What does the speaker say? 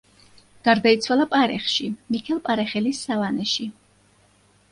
გარდაიცვალა პარეხში, მიქელ პარეხელის სავანეში.